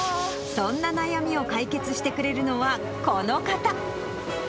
そんな悩みを解決してくれるのは、この方。